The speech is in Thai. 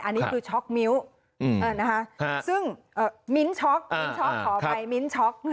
อันนี้คือช็อกมิวซึ่งมิ้นช็อกขออภัยมิ้นช็อก